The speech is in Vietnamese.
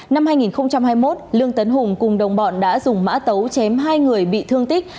năm hai nghìn hai mươi một lương tấn hùng cùng đồng bọn đã dùng mã tấu chém hai người bị thương tích